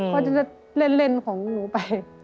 เขาจะเล่นของหนูไป